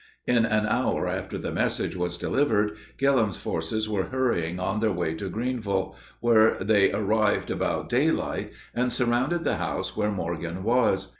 In an hour after the message was delivered Gillem's forces were hurrying on their way to Greeneville, where they arrived about daylight, and surrounded the house where Morgan was.